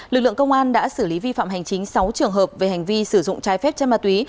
lực lượng công an đã xử lý vi phạm hành chính sáu trường hợp về hành vi sử dụng trái phép chất ma túy